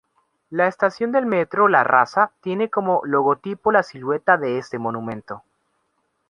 La estación del Metro La Raza; tiene como logotipo la silueta de este monumento.